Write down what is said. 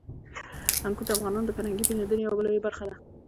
انګور د افغانانو د فرهنګي پیژندنې یوه لویه برخه ده.